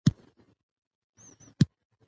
که کوم څيز ىا جنس ته بل صفت منسوبېږي،